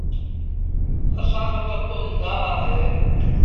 اسآݩ رو تپو مندآ وآه اهي